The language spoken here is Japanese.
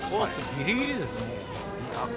ギリギリですね。